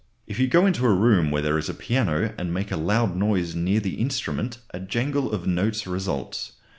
If you go into a room where there is a piano and make a loud noise near the instrument a jangle of notes results.